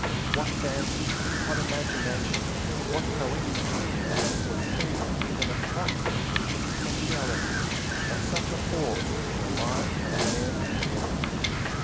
What fancy, what imagination, what poetic genius can foresee even approximately the potentialities of such a force in the life of men and women.